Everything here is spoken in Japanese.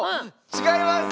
違います！